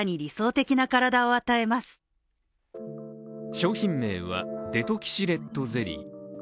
商品名はデトキシレットゼリー。